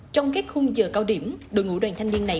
trong các khung giờ cao điểm đội ngũ đoàn thanh niên này